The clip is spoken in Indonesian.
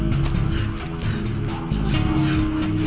liat saja mas ardy